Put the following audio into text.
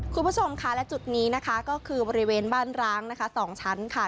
คุณผู้ชมค่ะและจุดนี้นะคะก็คือบริเวณบ้านร้างนะคะ๒ชั้นค่ะ